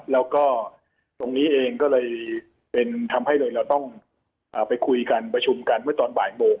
แล้วก็ตรงนี้เองก็เลยทำให้เราไปคุยกันไปชมกันไว้ตอนบ่ายโมง